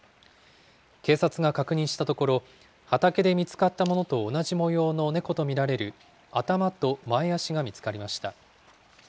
警察が確認したところ、畑で見つかったものと同じ模様の猫と見られる頭と前足が見つかりました。